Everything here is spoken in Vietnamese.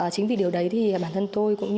chính vì điều đấy bản thân tôi cũng như